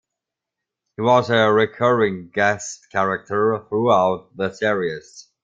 He was a recurring guest character throughout the series.